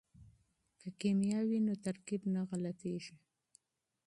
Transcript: که کیمیا وي نو ترکیب نه غلطیږي.